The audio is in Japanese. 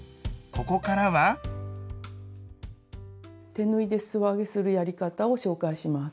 手縫いですそ上げするやり方を紹介します。